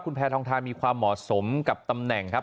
คุณแพทองทานมีความเหมาะสมกับตำแหน่งครับ